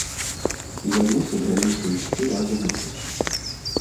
І яны сабраліся ісці разам у лес